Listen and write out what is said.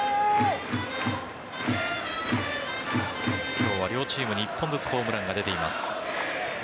今日は両チームに１本ずつホームランが出ています。